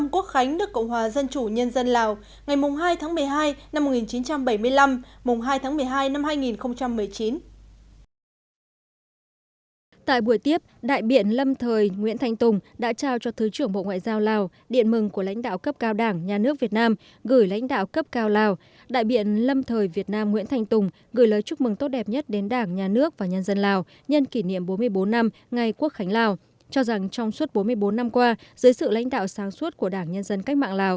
chúc mừng bốn mươi bốn năm quốc khánh nước cộng hòa dân chủ nhân dân lào ngày hai tháng một mươi hai năm một nghìn chín trăm bảy mươi năm hai tháng một mươi hai năm hai nghìn một mươi chín